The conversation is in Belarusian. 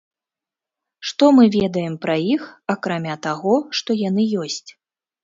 Што мы ведаем пра іх акрамя таго, што яны ёсць?